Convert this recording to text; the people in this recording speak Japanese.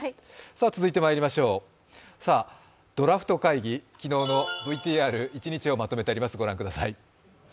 続いて参りましょう、ドラフト会議昨日のＶＴＲ、一日をまとめてあります。